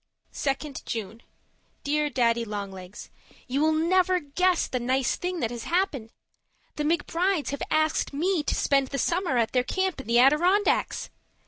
Judy 2nd June Dear Daddy Long Legs, You will never guess the nice thing that has happened. The McBrides have asked me to spend the summer at their camp in the Adirondacks!